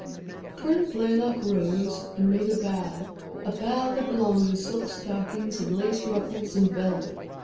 Colonel Blaylock rose and made a bow—a bow that belonged with silk stockings and lace ruffles and velvet.